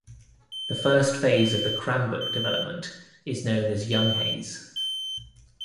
The first phase of the Cranbrook development is known as "Younghayes".